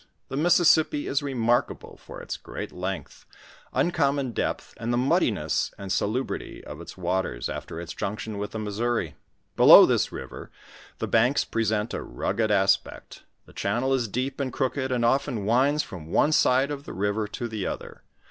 \ Tlie Mississippi is remarkable for its great length, uncommon depth, and the muddiness and salubrity of its waters after its junction with the Missouri. Below this river the banks present a rugged ospect ; the channel is deep and crooked, and often winds from one side of the river to the other.